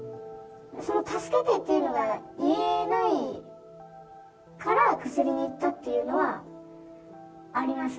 その助けてっていうのが言えないからクスリに行ったっていうのはあります。